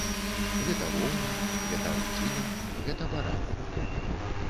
Гэта воўна, гэта аўчына, гэта бараніна.